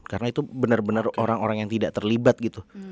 karena itu bener bener orang orang yang tidak terlibat gitu